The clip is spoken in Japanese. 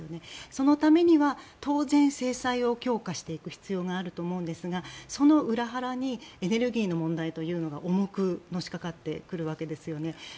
そのためには当然、制裁を強化していく必要があると思うんですがその裏腹にエネルギーの問題というのが重くのしかかってくるわけですね。